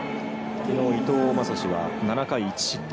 きのう、伊藤将司は７回１失点。